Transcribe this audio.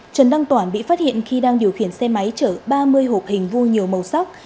trần đăng toản bị phát hiện khi đang điều khiển xe máy chở ba mươi hộp hình vui nhiều màu sắc